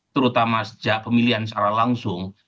terutama sejak pemilihan secara langsung